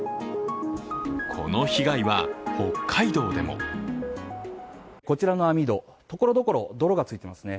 この被害は北海道でもこちらの網戸、ところどころ泥がついていますね。